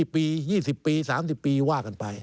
ปี๒๐ปี๓๐ปีว่ากันไป